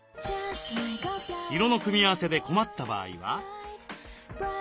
色の組み合わせで困った場合は？